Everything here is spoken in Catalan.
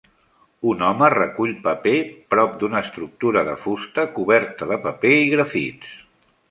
Un home recull paper pro d'una estructura de fusta coberta de paper i grafits.